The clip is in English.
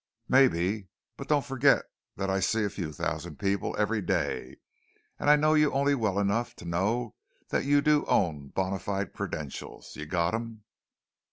"Maybe. But don't forget that I see a few thousand people every day. And I know you only well enough to know that you do own bona fide credentials. You've got 'em?"